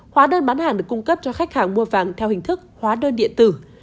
khóa đơn bán hàng được cung cấp cho khách hàng mua vàng theo hình thức khóa đơn điện tử